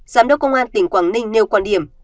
giám đốc công an tỉnh quảng ninh nêu quan điểm